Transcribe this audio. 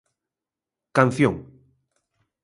Canción.